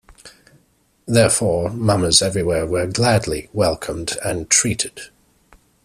Therefore, mummers everywhere were gladly welcomed and treated.